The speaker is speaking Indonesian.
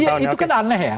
iya itu kan aneh ya